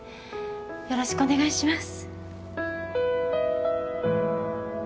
よろしくお願いします